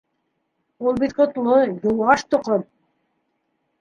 Ул бит ҡотло, йыуаш тоҡом!